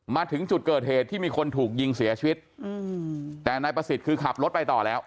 มาถึงจุดเกิดเหตุที่มีคนถูกยิงเสียชีวิตอืมแต่นายประสิทธิ์คือขับรถไปต่อแล้ว